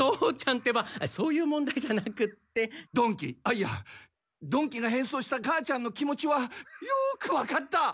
いや曇鬼が変装した母ちゃんの気持ちはよくわかった！